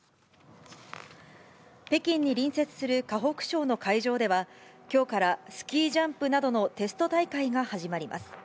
北京に隣接する河北省の会場では、きょうからスキージャンプなどのテスト大会が始まります。